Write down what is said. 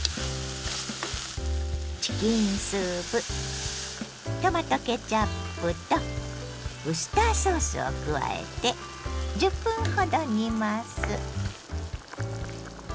チキンスープトマトケチャップとウスターソースを加えて１０分ほど煮ます。